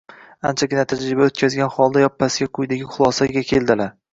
anchagina tajriba o‘tkazgan holda yoppasiga quyidagi xulosaga keldilar: